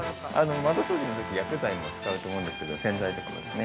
窓掃除のとき薬剤も使うと思うんですけど洗剤とかもですね。